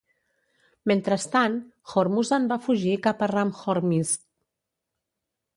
Mentrestant, Hormuzan va fugir cap a Ram-Hormizd.